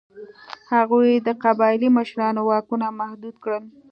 هغوی د قبایلي مشرانو واکونه محدود کړل.